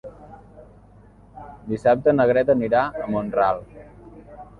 Dissabte na Greta anirà a Mont-ral.